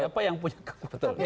siapa yang punya kepentingan